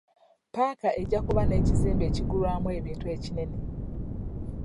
Ppaaka ejja kuba n'ekizimbe ekigulwamu ebintu ekinene.